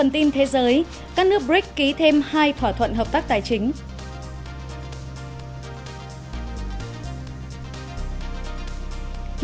trong phần tin thế giới các nước bric ký thêm hai thỏa thuận hợp tác tài chính